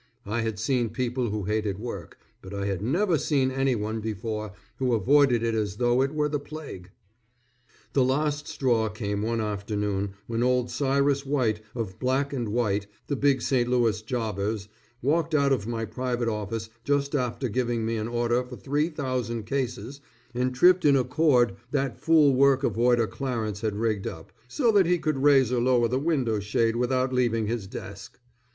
I had seen people who hated work, but I had never seen anyone before who avoided it as though it were the plague. The last straw came one afternoon when old Cyrus White of Black & White, the big St. Louis jobbers, walked out of my private office just after giving me an order for three thousand cases and tripped in a cord that fool work avoider Clarence had rigged up, so he could raise or lower the window shade without leaving his desk.